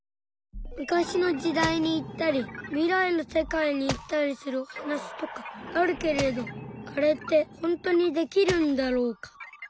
昔の時代に行ったり未来の世界に行ったりするお話とかあるけれどあれってほんとにできるんだろうか。